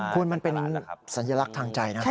คุณมันเป็นสัญลักษณ์ทางใจนะ